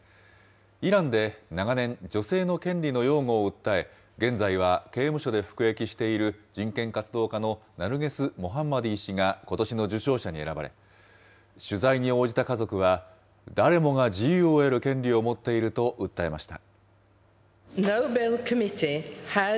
イランで長年、女性の権利の擁護を訴え、現在は刑務所で服役している人権活動家のナルゲス・モハンマディ氏がことしの受賞者に選ばれ、取材に応じた家族は、誰もが自由を得る権利を持っていると訴えました。